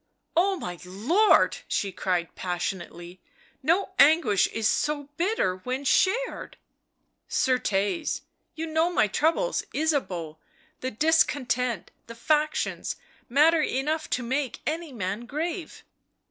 " Oh, my lord !" she cried passionately. " No anguish is so bitter when shared !" 11 Certes, you know my troubles, Ysabeau, the dis content, the factions — matter enough to make any man grave."